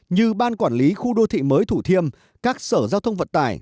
như ban quản lý khu đô thị mới thủ thiêm các sở giao thông vận tải